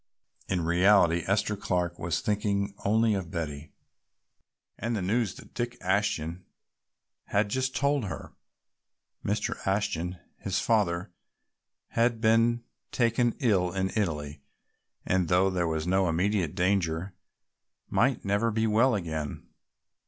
In reality Esther Clark was thinking only of Betty and the news that Dick Ashton had just told her. Mr. Ashton, his father, had been taken ill in Italy and, though there was no immediate danger, might never be well again.